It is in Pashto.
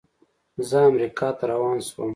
زه امریکا ته روان شوم.